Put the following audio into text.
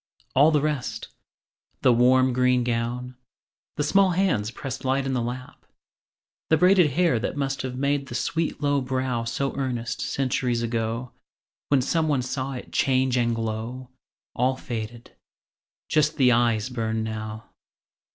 All the rest The warm green gown, the small hands pressed Light in the lap, the braided hair That must have made the sweet low brow So earnest, centuries ago, When some one saw it change and glow All faded! Just the eyes burn now.